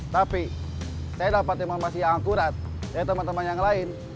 tapi saya dapat informasi yang akurat dari teman teman yang lain